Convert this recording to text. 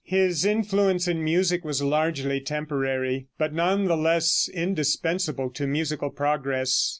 His influence in music was largely temporary, but none the less indispensable to musical progress.